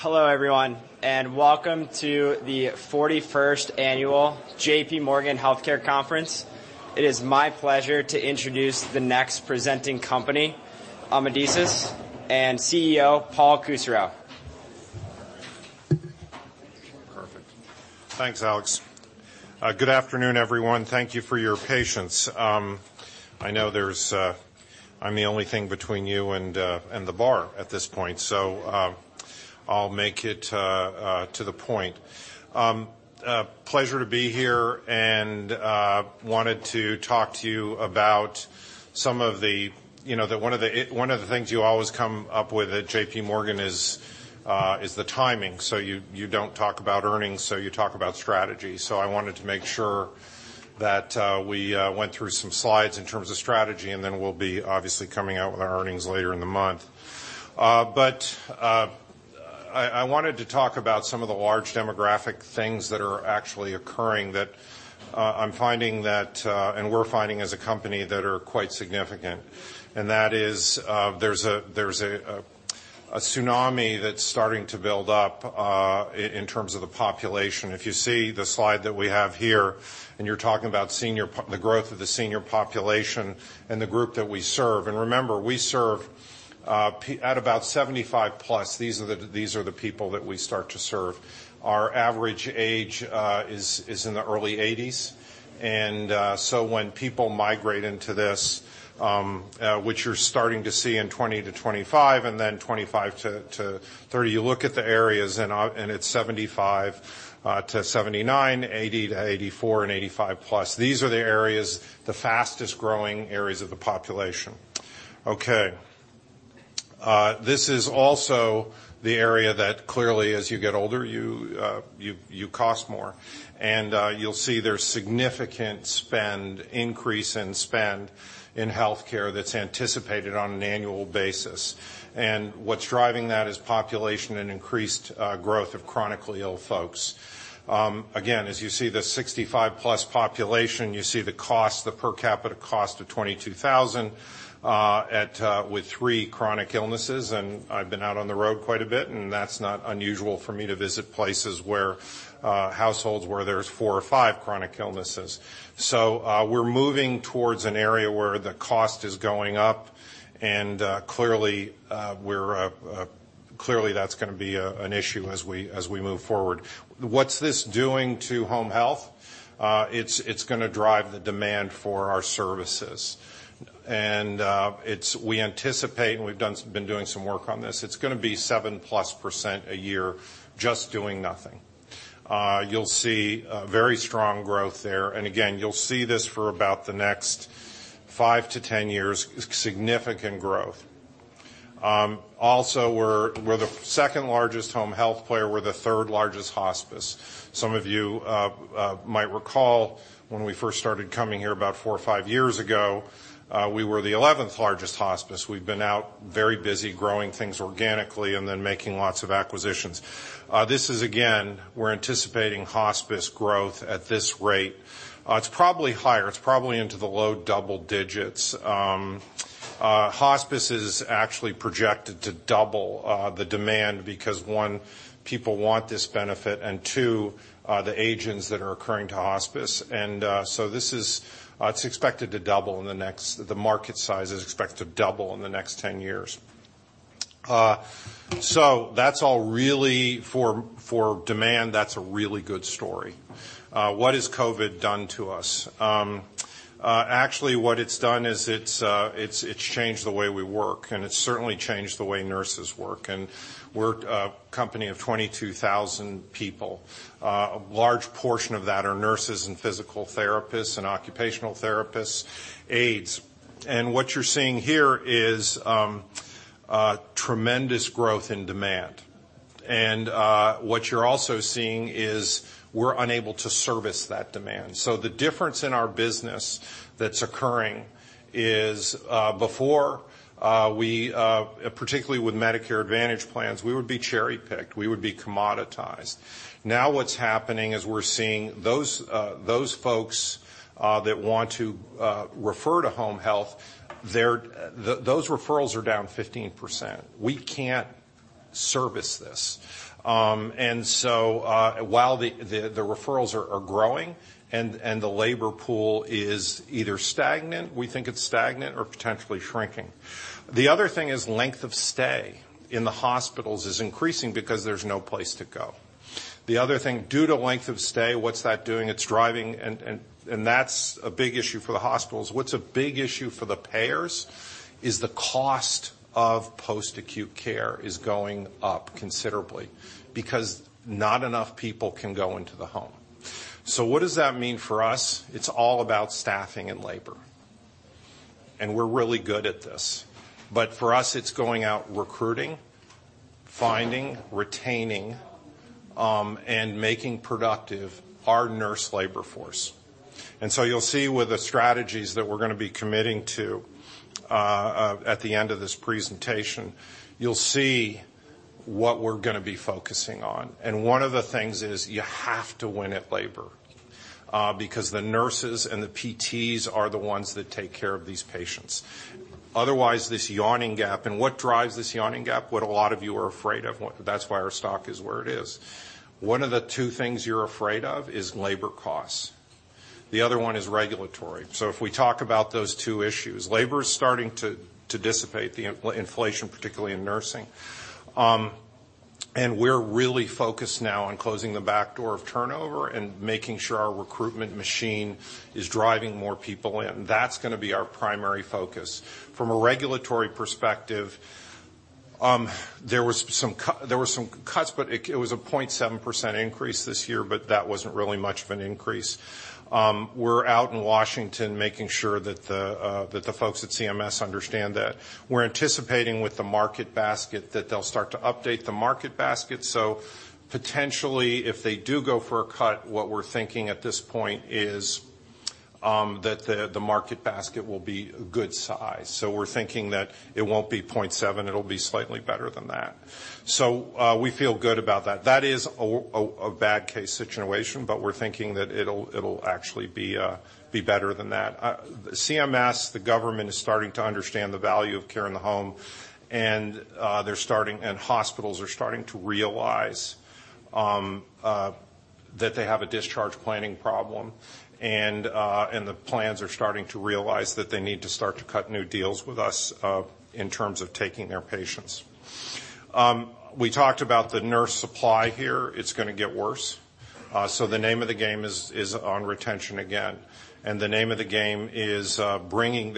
Hello, everyone. Welcome to the 41st annual J.P. Morgan Healthcare Conference. It is my pleasure to introduce the next presenting company, Amedisys, and CEO, Paul Kusserow. Perfect. Thanks, Alex. Good afternoon, everyone. Thank you for your patience. I know there's I'm the only thing between you and the bar at this point, so I'll make it to the point. A pleasure to be here and wanted to talk to you about some of the, you know, the one of the things you always come up with at J.P. Morgan is the timing. You don't talk about earnings, so you talk about strategy. I wanted to make sure that we went through some slides in terms of strategy, and then we'll be obviously coming out with our earnings later in the month. I wanted to talk about some of the large demographic things that are actually occurring that I'm finding that, and we're finding as a company that are quite significant. That is, there's a tsunami that's starting to build up in terms of the population. If you see the slide that we have here, you're talking about senior population the growth of the senior population and the group that we serve. Remember, we serve at about 75+, these are the people that we start to serve. Our average age is in the early 80s. When people migrate into this, which you're starting to see in 20-25 and then 25-30, you look at the areas and it's 75-79, 80-84, and 85+. These are the areas, the fastest-growing areas of the population. Okay. This is also the area that clearly as you get older, you cost more. You'll see there's significant spend, increase in spend in healthcare that's anticipated on an annual basis. What's driving that is population and increased growth of chronically ill folks. Again, as you see the 65+ population, you see the cost, the per capita cost of $22,000 with three chronic illnesses. I've been out on the road quite a bit, and that's not unusual for me to visit places where households where there's four or five chronic illnesses. We're moving towards an area where the cost is going up, and clearly that's gonna be an issue as we move forward. What's this doing to home health? It's gonna drive the demand for our services. We anticipate, and we've been doing some work on this. It's gonna be 7+% a year just doing nothing. You'll see very strong growth there. Again, you'll see this for about the next 5-10 years, significant growth. Also, we're the second-largest home health player. We're the third-largest hospice. Some of you might recall when we first started coming here about four or five years ago, we were the 11th-largest hospice. We've been out, very busy growing things organically and then making lots of acquisitions. This is again, we're anticipating hospice growth at this rate. It's probably higher. It's probably into the low double digits. Hospice is actually projected to double the demand because, one, people want this benefit, and two, the agents that are occurring to hospice. This is, it's expected to double. The market size is expected to double in the next 10 years. That's all really for demand, that's a really good story. What has COVID done to us? Actually, what it's done is it's changed the way we work, and it's certainly changed the way nurses work. We're a company of 22,000 people. A large portion of that are nurses and physical therapists and occupational therapists, aides. What you're seeing here is a tremendous growth in demand. What you're also seeing is we're unable to service that demand. The difference in our business that's occurring is before, particularly with Medicare Advantage plans, we would be cherry-picked, we would be commoditized. Now what's happening is we're seeing those folks that want to refer to home health, those referrals are down 15%. We can't service this. While the referrals are growing and the labor pool is either stagnant, we think it's stagnant or potentially shrinking. The other thing is length of stay in the hospitals is increasing because there's no place to go. The other thing, due to length of stay, what's that doing? It's driving, and that's a big issue for the hospitals. What's a big issue for the payers is the cost of post-acute care is going up considerably because not enough people can go into the home. What does that mean for us? It's all about staffing and labor, and we're really good at this. For us, it's going out recruiting, finding, retaining, and making productive our nurse labor force. You'll see with the strategies that we're gonna be committing to, at the end of this presentation, you'll see what we're gonna be focusing on. One of the things is you have to win at labor because the nurses and the PTs are the ones that take care of these patients. Otherwise, this yawning gap, and what drives this yawning gap, what a lot of you are afraid of, that's why our stock is where it is. One of the two things you're afraid of is labor costs. The other one is regulatory. If we talk about those two issues, labor is starting to dissipate, the inflation, particularly in nursing. We're really focused now on closing the backdoor of turnover and making sure our recruitment machine is driving more people in. That's gonna be our primary focus. From a regulatory perspective, there were some cuts. It was a 0.7% increase this year, but that wasn't really much of an increase. We're out in Washington making sure that the folks at CMS understand that we're anticipating with the market basket that they'll start to update the market basket. Potentially, if they do go for a cut, what we're thinking at this point is that the market basket will be a good size. We're thinking that it won't be 0.7%, it'll be slightly better than that. We feel good about that. That is a bad case situation, we're thinking that it'll actually be better than that. CMS, the government is starting to understand the value of care in the home, and hospitals are starting to realize that they have a discharge planning problem. The plans are starting to realize that they need to start to cut new deals with us in terms of taking their patients. We talked about the nurse supply here. It's gonna get worse. The name of the game is on retention again. The name of the game is bringing...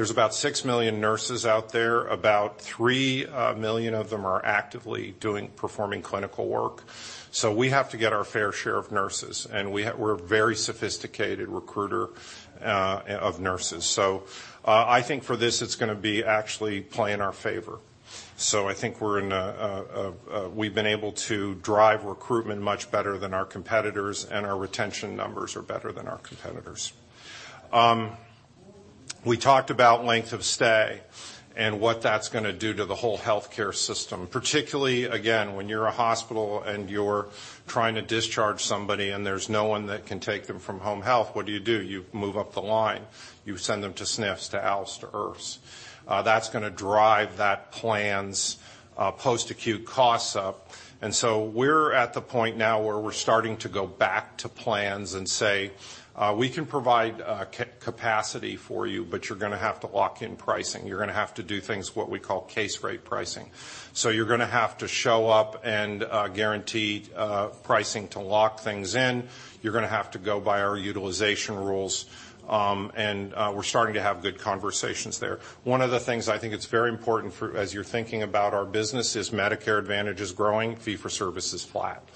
There's about 6 million nurses out there, about 3 million of them are actively performing clinical work. We have to get our fair share of nurses, and we're a very sophisticated recruiter of nurses. I think for this, it's gonna be actually play in our favor. I think we're in a, we've been able to drive recruitment much better than our competitors, and our retention numbers are better than our competitors. We talked about length of stay and what that's gonna do to the whole healthcare system, particularly, again, when you're a hospital and you're trying to discharge somebody and there's no one that can take them from home health, what do you do? You move up the line. You send them to SNFs, to ALFs, to IRFs. That's gonna drive that plan's post-acute costs up. We're at the point now where we're starting to go back to plans and say, "We can provide capacity for you, but you're gonna have to lock in pricing. You're gonna have to do things what we call case rate pricing. You're gonna have to show up and guarantee pricing to lock things in. You're gonna have to go by our utilization rules. We're starting to have good conversations there. One of the things I think it's very important for as you're thinking about our business is Medicare Advantage is growing, fee-for-service is flat.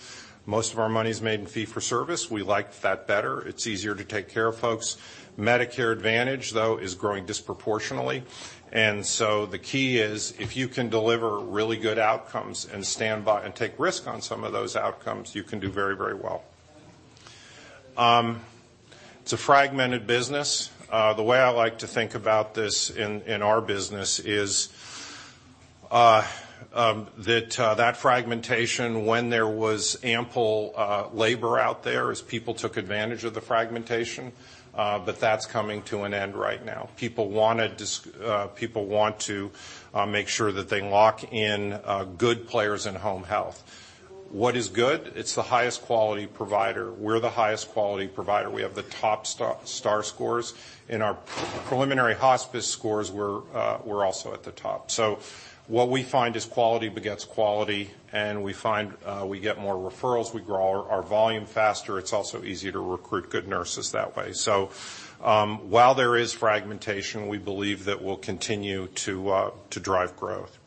Most of our money is made in fee-for-service. We like that better. It's easier to take care of folks. Medicare Advantage, though, is growing disproportionately. The key is if you can deliver really good outcomes and stand by and take risk on some of those outcomes, you can do very, very well. It's a fragmented business. The way I like to think about this in our business is that fragmentation when there was ample labor out there is people took advantage of the fragmentation, but that's coming to an end right now. People want to make sure that they lock in good players in home health. What is good? It's the highest quality provider. We're the highest quality provider. We have the top star scores, and our preliminary hospice scores were also at the top. What we find is quality begets quality, and we find we get more referrals, we grow our volume faster. It's also easier to recruit good nurses that way. While there is fragmentation, we believe that we'll continue to drive growth.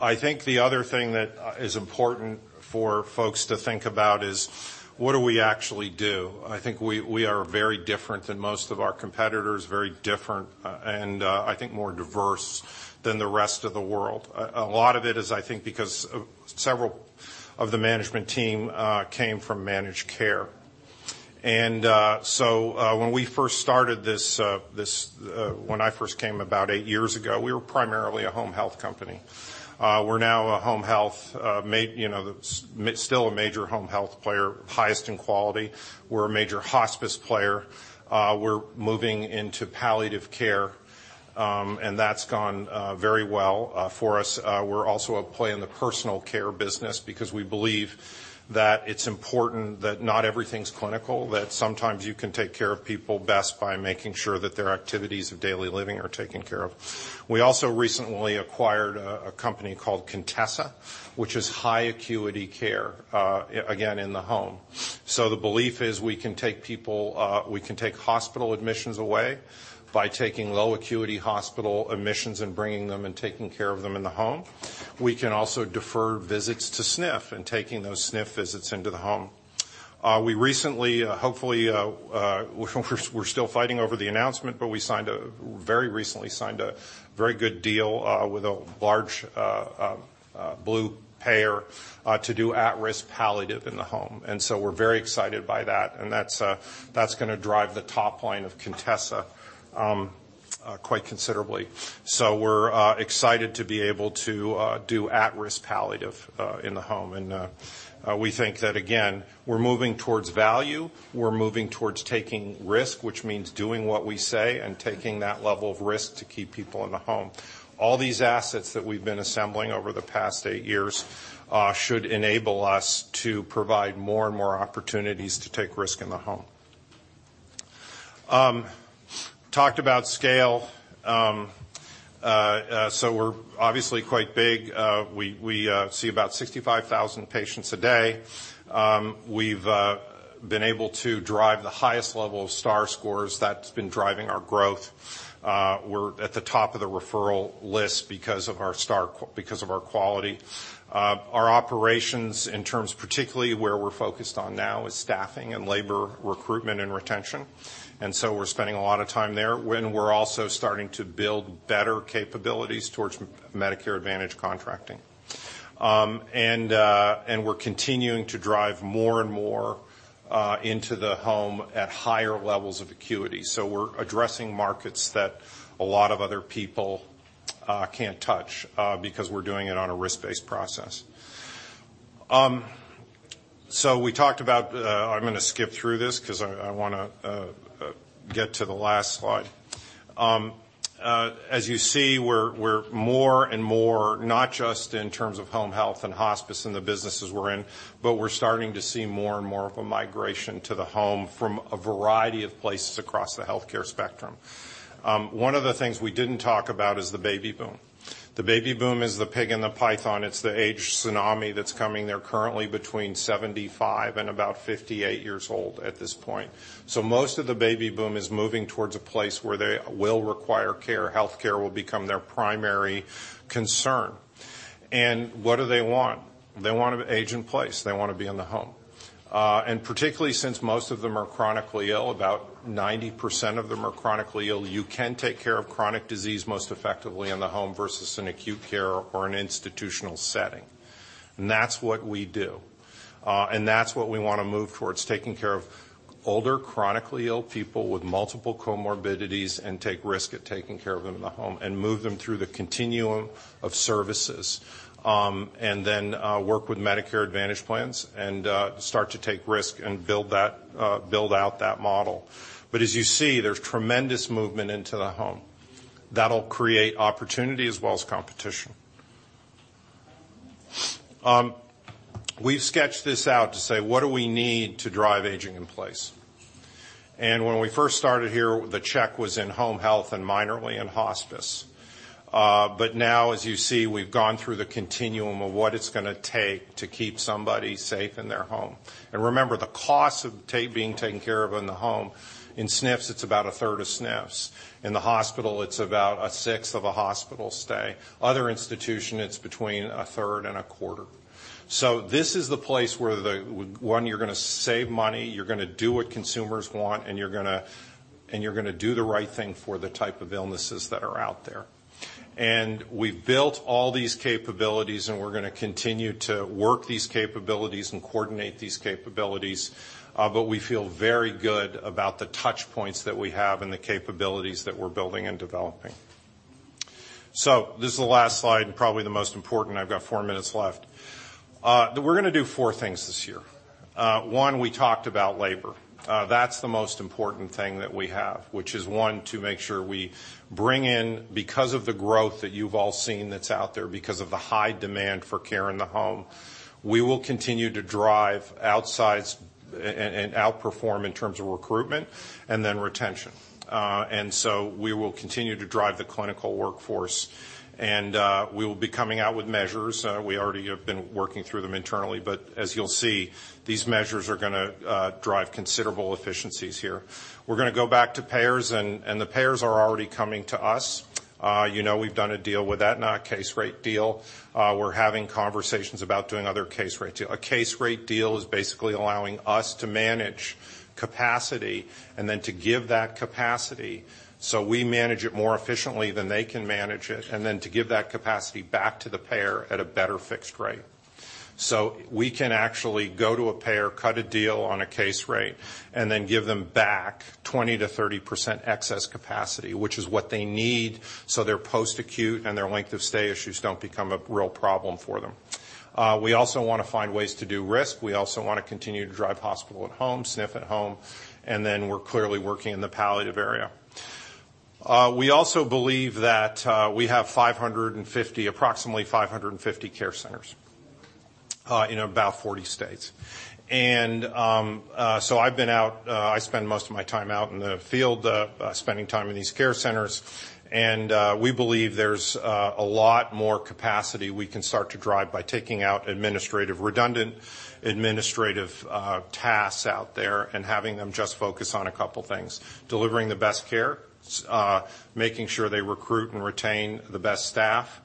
I think the other thing that is important for folks to think about is, what do we actually do? I think we are very different than most of our competitors, very different, and I think more diverse than the rest of the world. A lot of it is I think because of several of the management team came from managed care. When we first started this, when I first came about eight years ago, we were primarily a home health company. We're now a home health, you know, still a major home health player, highest in quality. We're a major hospice player. We're moving into palliative care, and that's gone very well for us. We're also a play in the personal care business because we believe that it's important that not everything's clinical, that sometimes you can take care of people best by making sure that their activities of daily living are taken care of. We also recently acquired a company called Contessa, which is high acuity care, again, in the home. The belief is we can take people, we can take hospital admissions away by taking low acuity hospital admissions and bringing them and taking care of them in the home. We can also defer visits to SNF and taking those SNF visits into the home. We recently, hopefully, we're still fighting over the announcement, but we very recently signed a very good deal, with a large blue payer, to do at-risk palliative in the home. We're very excited by that, and that's gonna drive the top line of Contessa quite considerably. We're excited to be able to do at-risk palliative in the home. We think that, again, we're moving towards value, we're moving towards taking risk, which means doing what we say and taking that level of risk to keep people in the home. All these assets that we've been assembling over the past eight years, should enable us to provide more and more opportunities to take risk in the home. Talked about scale. We're obviously quite big. We see about 65,000 patients a day. We've been able to drive the highest level of star scores that's been driving our growth. We're at the top of the referral list because of our quality. Our operations in terms particularly where we're focused on now is staffing and labor recruitment and retention. We're spending a lot of time there when we're also starting to build better capabilities towards Medicare Advantage contracting. We're continuing to drive more and more into the home at higher levels of acuity. We're addressing markets that a lot of other people can't touch because we're doing it on a risk-based process. We talked about, I'm gonna skip through this 'cause I wanna get to the last slide. As you see, we're more and more not just in terms of home health and hospice and the businesses we're in, but we're starting to see more and more of a migration to the home from a variety of places across the healthcare spectrum. One of the things we didn't talk about is the baby boom. The baby boom is the pig and the python. It's the age tsunami that's coming. They're currently between 75 and about 58 years old at this point. Most of the baby boom is moving towards a place where they will require care. Healthcare will become their primary concern. What do they want? They wanna age in place. They wanna be in the home. Particularly since most of them are chronically ill, about 90% of them are chronically ill, you can take care of chronic disease most effectively in the home versus an acute care or an institutional setting. That's what we do. That's what we wanna move towards, taking care of older, chronically ill people with multiple comorbidities and take risk at taking care of them in the home, and move them through the continuum of services. Then work with Medicare Advantage plans and start to take risk and build that, build out that model. As you see, there's tremendous movement into the home. That'll create opportunity as well as competition. We've sketched this out to say, what do we need to drive aging in place? When we first started here, the check was in home health and minorly in hospice. Now as you see, we've gone through the continuum of what it's gonna take to keep somebody safe in their home. Remember, the cost of being taken care of in the home, in SNFs, it's about a third of SNFs. In the hospital, it's about a sixth of a hospital stay. Other institution, it's between a third and a quarter. This is the place where one, you're gonna save money, you're gonna do what consumers want, and you're gonna do the right thing for the type of illnesses that are out there. We've built all these capabilities, and we're gonna continue to work these capabilities and coordinate these capabilities, but we feel very good about the touch points that we have and the capabilities that we're building and developing. This is the last slide and probably the most important. I've got four minutes left. We're gonna do four things this year. One, we talked about labor. That's the most important thing that we have, which is, one, to make sure we bring in... Because of the growth that you've all seen that's out there, because of the high demand for care in the home, we will continue to drive outsides and outperform in terms of recruitment and then retention. We will continue to drive the clinical workforce, we will be coming out with measures. We already have been working through them internally, as you'll see, these measures are gonna drive considerable efficiencies here. We're gonna go back to payers, and the payers are already coming to us. You know we've done a deal with Aetna, a case rate deal. We're having conversations about doing other case rate deal. A case rate deal is basically allowing us to manage capacity and then to give that capacity, so we manage it more efficiently than they can manage it, and then to give that capacity back to the payer at a better fixed rate. We can actually go to a payer, cut a deal on a case rate, and then give them back 20%-30% excess capacity, which is what they need so their post-acute and their length of stay issues don't become a real problem for them. We also wanna find ways to do risk. We also wanna continue to drive hospital at home, SNF at home, and then we're clearly working in the palliative area. We also believe that we have 550, approximately 550 care centers in about 40 states. So I've been out, I spend most of my time out in the field, spending time in these care centers. We believe there's a lot more capacity we can start to drive by taking out administrative, redundant administrative tasks out there and having them just focus on a couple things: delivering the best care, making sure they recruit and retain the best staff,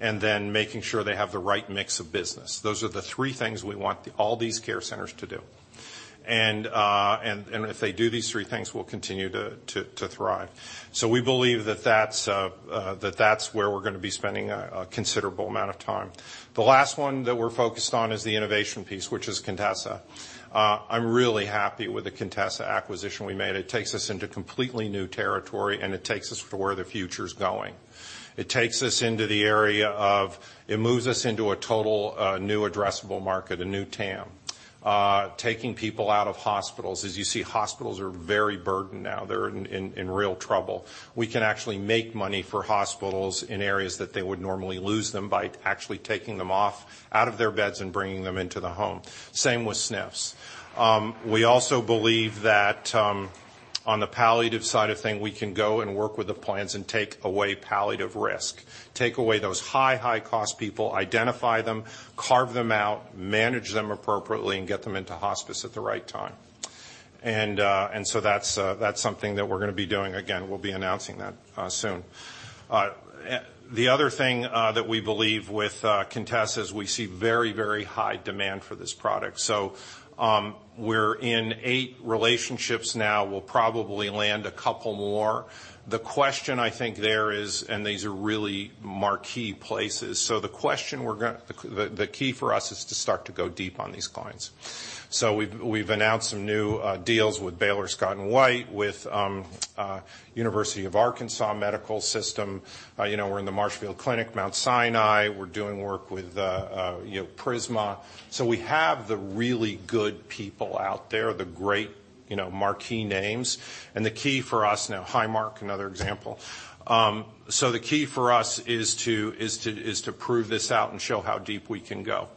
and then making sure they have the right mix of business. Those are the three things we want all these care centers to do. And if they do these three things, we'll continue to thrive. We believe that's where we're gonna be spending a considerable amount of time. The last one that we're focused on is the innovation piece, which is Contessa. I'm really happy with the Contessa acquisition we made. It takes us into completely new territory, and it takes us to where the future is going. It takes us into the area of. It moves us into a total new addressable market, a new TAM. Taking people out of hospitals. As you see, hospitals are very burdened now. They're in real trouble. We can actually make money for hospitals in areas that they would normally lose them by actually taking them off out of their beds and bringing them into the home. Same with SNFs. We also believe that on the palliative side of things, we can go and work with the plans and take away palliative risk. Take away those high, high-cost people, identify them, carve them out, manage them appropriately, and get them into hospice at the right time. That's something that we're gonna be doing. Again, we'll be announcing that soon. The other thing that we believe with Contessa is we see very, very high demand for this product. We're in eight relationships now. We'll probably land a couple more. The question I think there is, and these are really marquee places. The key for us is to start to go deep on these clients. We've announced some new deals with Baylor Scott & White, with University of Arkansas for Medical Sciences. You know, we're in the Marshfield Clinic, Mount Sinai. We're doing work with, you know, Prisma. We have the really good people out there, the great, you know, marquee names. The key for us. Now Highmark, another example. The key for us is to prove this out and show how deep we can go,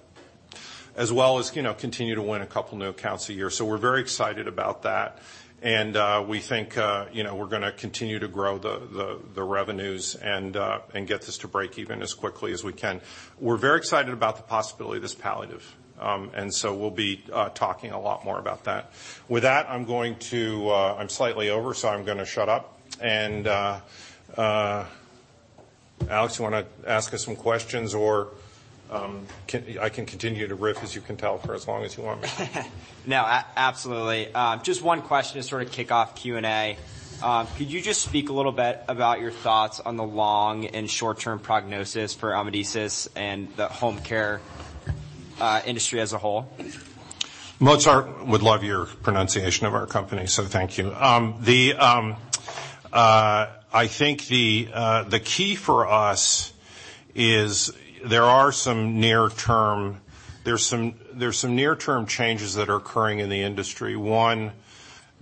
as well as, you know, continue to win a couple new accounts a year. We're very excited about that, and we think, you know, we're gonna continue to grow the revenues and get this to break even as quickly as we can. We're very excited about the possibility of this palliative. We'll be talking a lot more about that. With that, I'm going to. I'm slightly over, so I'm gonna shut up. Alex, you wanna ask us some questions, or I can continue to riff, as you can tell, for as long as you want me. No. Absolutely. Just one question to sort of kick off Q&A. Could you just speak a little bit about your thoughts on the long and short-term prognosis for Amedisys and the home care industry as a whole? Mozart would love your pronunciation of our company, thank you. The key for us is there's some near-term changes that are occurring in the industry. One,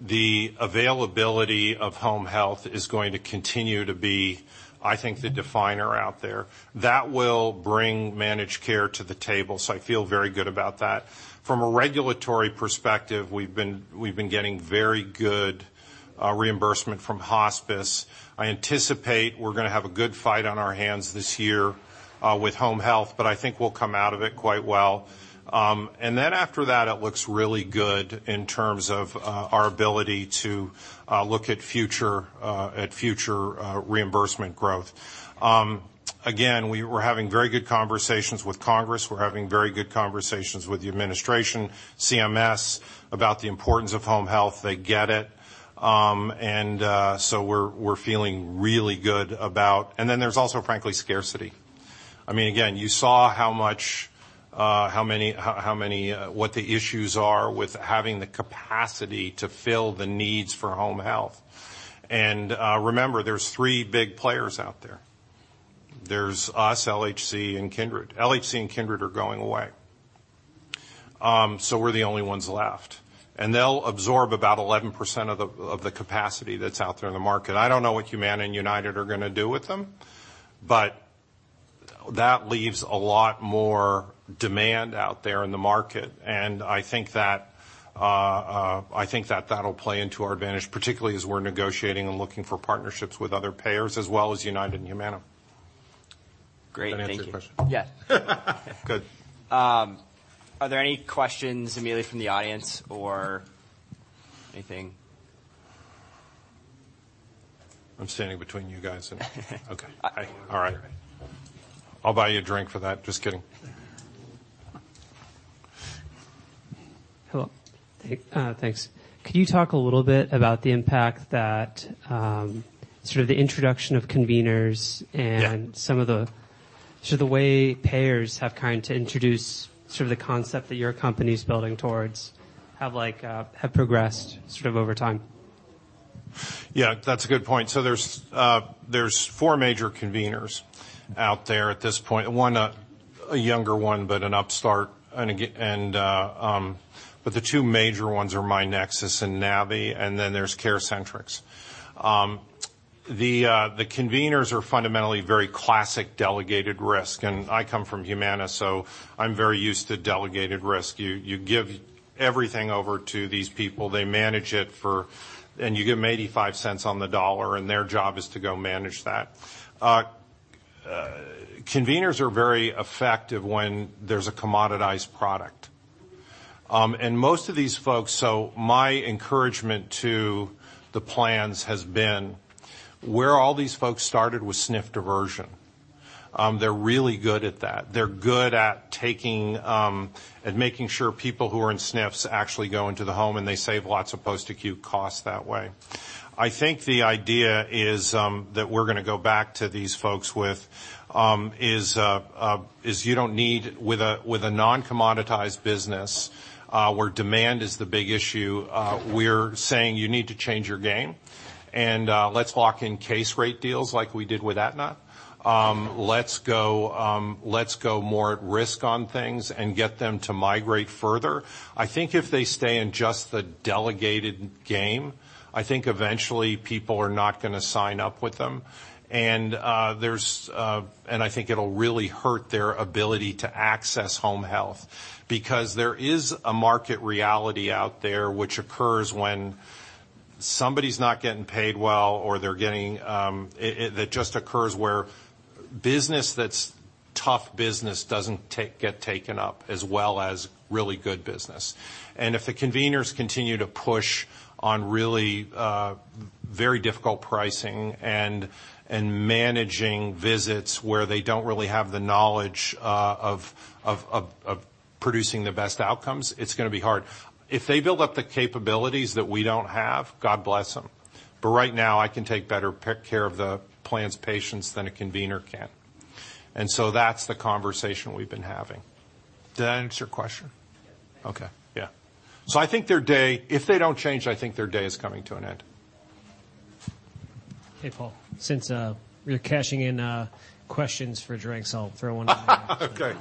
the availability of home health is going to continue to be, I think, the definer out there. That will bring managed care to the table, I feel very good about that. From a regulatory perspective, we've been getting very good reimbursement from hospice. I anticipate we're gonna have a good fight on our hands this year with home health, I think we'll come out of it quite well. After that, it looks really good in terms of our ability to look at future reimbursement growth. Again, we're having very good conversations with Congress, We're having very good conversations with the administration, CMS, about the importance of home health. They get it. we're feeling really good about... Then there's also, frankly, scarcity. I mean, again, you saw how much, how many, what the issues are with having the capacity to fill the needs for home health. Remember, there's three big players out there. There's us, LHC, and Kindred. LHC and Kindred are going away. We're the only ones left, and they'll absorb about 11% of the capacity that's out there in the market. I don't know what Humana and United are gonna do with them. That leaves a lot more demand out there in the market. I think that that'll play into our advantage, particularly as we're negotiating and looking for partnerships with other payers as well as United and Humana. Great. Thank you. Does that answer your question? Yeah. Good. Are there any questions immediately from the audience or anything? I'm standing between you guys. Okay. All right. I'll buy you a drink for that. Just kidding. Hello. Hey, thanks. Could you talk a little bit about the impact that, sort of the introduction of conveners? Yeah... some of the, sort of the way payers have come to introduce sort of the concept that your company's building towards have, like, have progressed sort of over time? Yeah. That's a good point. There's four major conveners out there at this point. One, a younger one, but an upstart, and, but the two major ones are myNEXUS and Navi, and then there's CareCentrix. The conveners are fundamentally very classic delegated risk, and I come from Humana, so I'm very used to delegated risk. You give everything over to these people. They manage it for. You give them $0.85 on the dollar, and their job is to go manage that. Conveners are very effective when there's a commoditized product. Most of these folks. My encouragement to the plans has been, where all these folks started was SNF diversion. They're really good at that. They're good at making sure people who are in SNFs actually go into the home, and they save lots of post-acute costs that way. I think the idea is that we're gonna go back to these folks with a non-commoditized business where demand is the big issue, we're saying you need to change your game. Let's lock in case rate deals like we did with Aetna. Let's go, let's go more at risk on things and get them to migrate further. I think if they stay in just the delegated game, I think eventually people are not gonna sign up with them. I think it'll really hurt their ability to access home health because there is a market reality out there which occurs when somebody's not getting paid well or they're getting, that just occurs where business that's tough business doesn't get taken up as well as really good business. If the conveners continue to push on really very difficult pricing and managing visits where they don't really have the knowledge of producing the best outcomes, it's gonna be hard. If they build up the capabilities that we don't have, God bless them. Right now, I can take better care of the plan's patients than a convener can. That's the conversation we've been having. Did that answer your question? Yes. Okay. Yeah. If they don't change, I think their day is coming to an end. Hey, Paul. Since we're cashing in questions for drinks, I'll throw one out. Okay.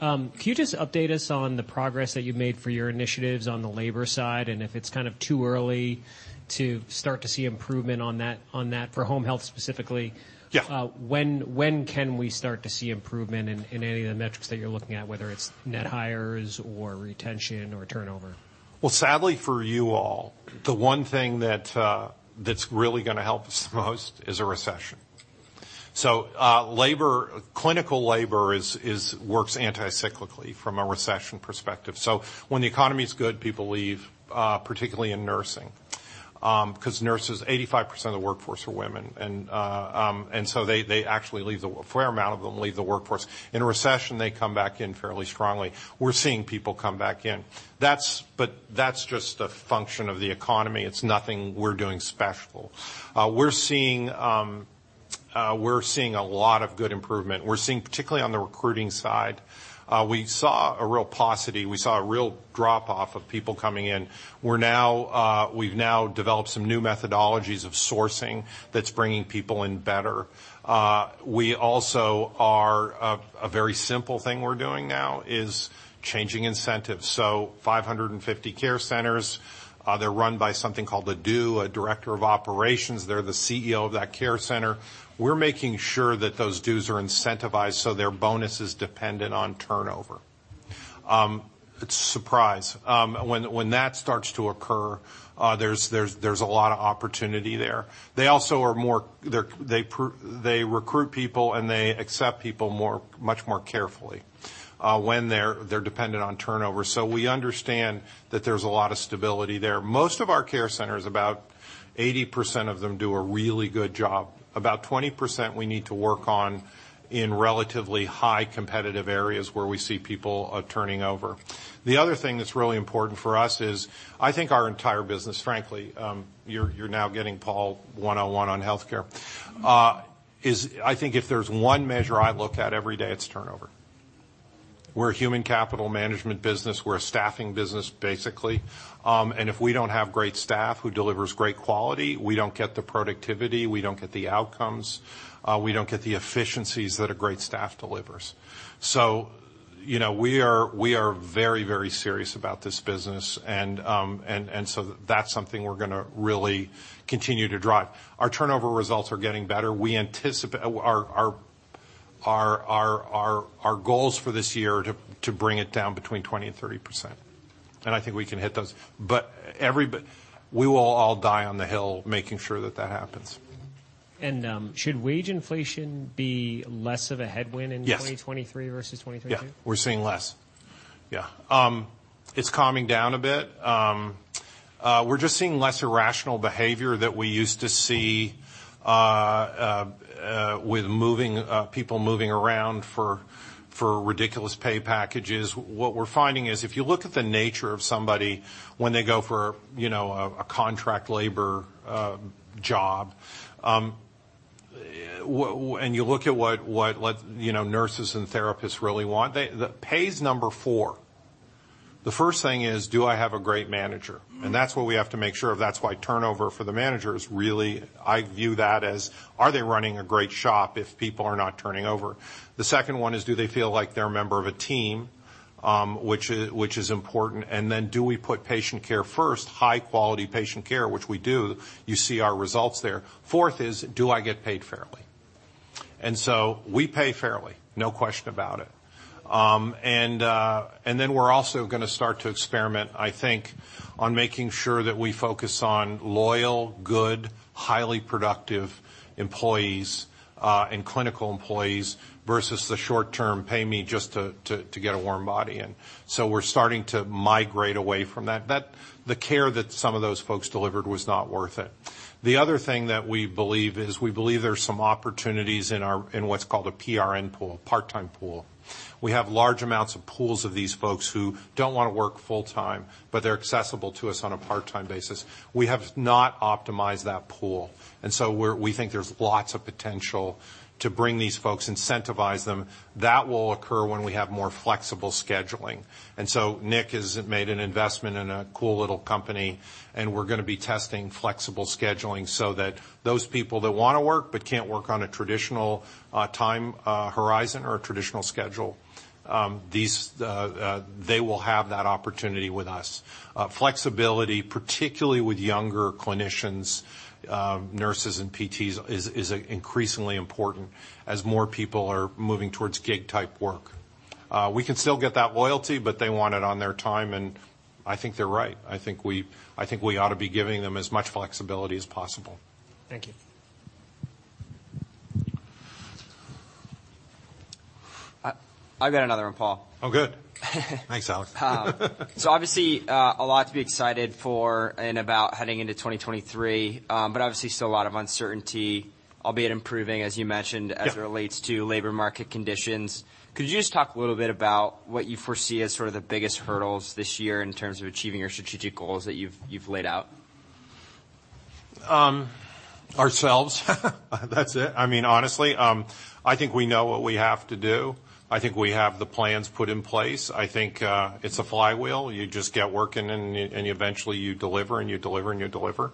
Can you just update us on the progress that you've made for your initiatives on the labor side, and if it's kind of too early to start to see improvement on that for home health specifically? Yeah. When, when can we start to see improvement in any of the metrics that you're looking at, whether it's net hires or retention or turnover? Well, sadly for you all, the one thing that's really gonna help us the most is a recession. Labor, clinical labor works anti-cyclically from a recession perspective. When the economy is good, people leave, particularly in nursing, 'cause nurses, 85% of the workforce are women. They actually leave a fair amount of them leave the workforce. In a recession, they come back in fairly strongly. We're seeing people come back in. That's just a function of the economy. It's nothing we're doing special. We're seeing a lot of good improvement. We're seeing, particularly on the recruiting side, we saw a real paucity. We saw a real drop-off of people coming in. We're now, we've now developed some new methodologies of sourcing that's bringing people in better. We also are a very simple thing we're doing now is changing incentives. 550 care centers, they're run by something called a DOO, a Director of Operations. They're the CEO of that care center. We're making sure that those DOOs are incentivized, so their bonus is dependent on turnover. It's a surprise. When that starts to occur, there's a lot of opportunity there. They also recruit people, and they accept people more, much more carefully, when they're dependent on turnover. We understand that there's a lot of stability there. Most of our care centers, about 80% of them do a really good job. About 20% we need to work on in relatively high competitive areas where we see people turning over. The other thing that's really important for us is I think our entire business, frankly, you're now getting Paul one-on-one on healthcare, is I think if there's one measure I look at every day, it's turnover. We're a human capital management business. We're a staffing business, basically. If we don't have great staff who delivers great quality, we don't get the productivity, we don't get the outcomes, we don't get the efficiencies that a great staff delivers. You know, we are very, very serious about this business, and that's something we're gonna really continue to drive. Our turnover results are getting better. Our goals for this year are to bring it down between 20% and 30%. I think we can hit those. We will all die on the hill making sure that that happens. Should wage inflation be less of a headwind. Yes. in 2023 versus 2022? Yeah. We're seeing less. Yeah. It's calming down a bit. We're just seeing less irrational behavior that we used to see with moving people moving around for ridiculous pay packages. What we're finding is if you look at the nature of somebody when they go for, you know, a contract labor job, and you look at what, you know, nurses and therapists really want, Pay is number four. The first thing is, do I have a great manager? Mm-hmm. That's what we have to make sure of. That's why turnover for the manager is really... I view that as, are they running a great shop if people are not turning over? The second one is, do they feel like they're a member of a team? Which is important. Then do we put patient care first, high quality patient care, which we do. You see our results there. Fourth is, do I get paid fairly? We pay fairly, no question about it. Then we're also gonna start to experiment, I think, on making sure that we focus on loyal, good, highly productive employees, and clinical employees versus the short-term pay me just to get a warm body in. We're starting to migrate away from that. That... The care that some of those folks delivered was not worth it. The other thing that we believe is we believe there's some opportunities in what's called a PRN pool, part-time pool. We have large amounts of pools of these folks who don't wanna work full-time, but they're accessible to us on a part-time basis. We have not optimized that pool, and so we think there's lots of potential to bring these folks, incentivize them. That will occur when we have more flexible scheduling. Nick has made an investment in a cool little company, and we're gonna be testing flexible scheduling so that those people that wanna work but can't work on a traditional time horizon or a traditional schedule, these, they will have that opportunity with us. Flexibility, particularly with younger clinicians, nurses and PTs, is increasingly important as more people are moving towards gig type work. We can still get that loyalty, but they want it on their time, and I think they're right. I think we ought to be giving them as much flexibility as possible. Thank you. I got another one, Paul. Oh, good. Thanks, Alex. Obviously, a lot to be excited for and about heading into 2023. Obviously still a lot of uncertainty, albeit improving, as you mentioned. Yeah. as it relates to labor market conditions. Could you just talk a little bit about what you foresee as sort of the biggest hurdles this year in terms of achieving your strategic goals that you've laid out? Ourselves. That's it. I mean, honestly, I think we know what we have to do. I think we have the plans put in place. I think it's a flywheel. You just get working and eventually you deliver, and you deliver, and you deliver.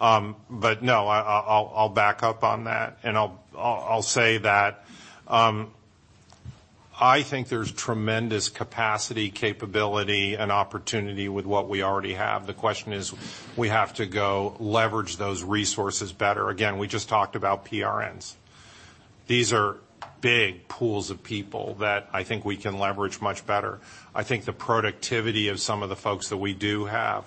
No, I'll back up on that, and I'll say that I think there's tremendous capacity, capability and opportunity with what we already have. The question is, we have to go leverage those resources better. Again, we just talked about PRNs. These are big pools of people that I think we can leverage much better. I think the productivity of some of the folks that we do have,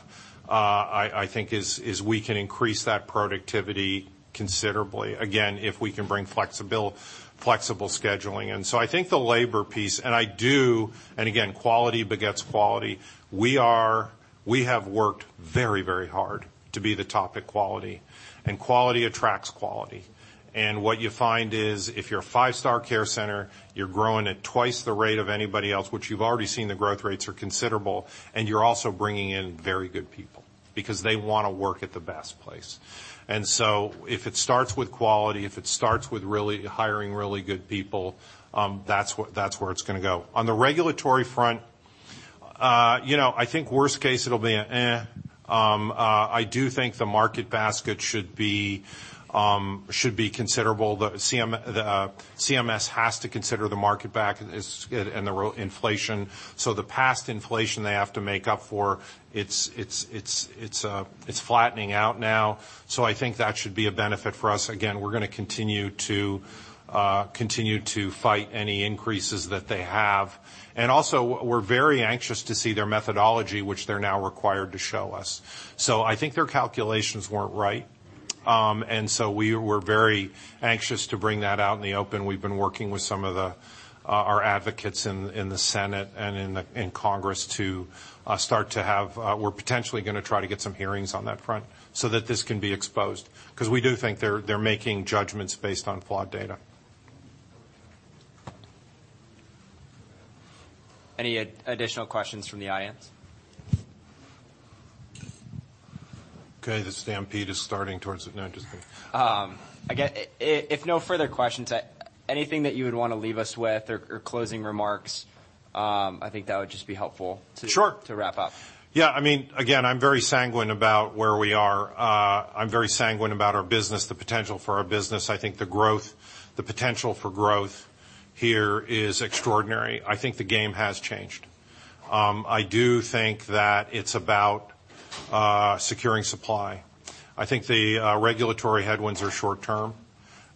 I think is, we can increase that productivity considerably, again, if we can bring flexible scheduling in. I think the labor piece, and I do... Again, quality begets quality. We have worked very, very hard to be the top at quality. Quality attracts quality. What you find is if you're a five-star care center, you're growing at twice the rate of anybody else, which you've already seen the growth rates are considerable, and you're also bringing in very good people because they wanna work at the best place. If it starts with quality, if it starts with hiring really good people, that's where it's gonna go. On the regulatory front, you know, I do think the market basket should be considerable. The CMS has to consider the market back is, and the inflation. The past inflation they have to make up for, it's flattening out now. I think that should be a benefit for us. Again, we're gonna continue to fight any increases that they have. Also, we're very anxious to see their methodology, which they're now required to show us. I think their calculations weren't right. We were very anxious to bring that out in the open. We've been working with some of the our advocates in the Senate and in Congress to start to have, we're potentially gonna try to get some hearings on that front so that this can be exposed, 'cause we do think they're making judgments based on flawed data. Any additional questions from the audience? Okay, the stampede is starting towards... No, I'm just kidding. Again, if no further questions, anything that you would wanna leave us with or closing remarks, I think that would just be helpful. Sure. to wrap up. Yeah. I mean, again, I'm very sanguine about where we are. I'm very sanguine about our business, the potential for our business. I think the growth, the potential for growth here is extraordinary. I think the game has changed. I do think that it's about, securing supply. I think the regulatory headwinds are short term.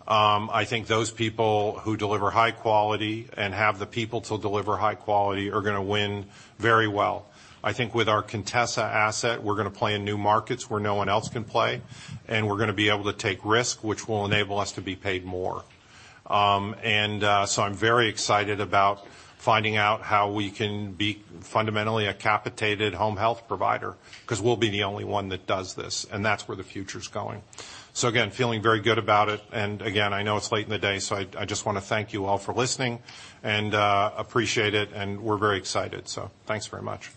I think those people who deliver high quality and have the people to deliver high quality are gonna win very well. I think with our Contessa asset, we're gonna play in new markets where no one else can play, and we're gonna be able to take risk, which will enable us to be paid more. I'm very excited about finding out how we can be fundamentally a capitated home health provider, 'cause we'll be the only one that does this, and that's where the future's going. Again, feeling very good about it. Again, I know it's late in the day, so I just wanna thank you all for listening and appreciate it, and we're very excited. Thanks very much.